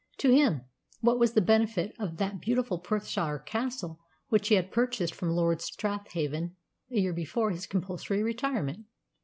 To him, what was the benefit of that beautiful Perthshire castle which he had purchased from Lord Strathavon a year before his compulsory retirement?